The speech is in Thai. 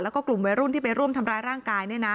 แล้วก็กลุ่มวัยรุ่นที่ไปร่วมทำร้ายร่างกาย